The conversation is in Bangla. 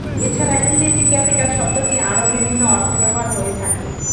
এছাড়াও ইংরেজি ক্যাপিটাল শব্দটি আরো বিভিন্ন অর্থে ব্যবহার করা হয়ে থাকে।